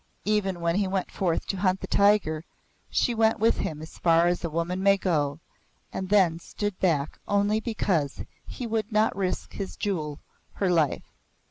Even when he went forth to hunt the tiger, she went with him as far as a woman may go, and then stood back only because he would not risk his jewel, her life.